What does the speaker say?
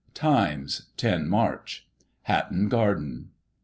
Times, 10 March: Hatton Garden.